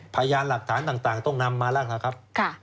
พยานหลักฐานต่างต้องนำมาแล้วนะครับ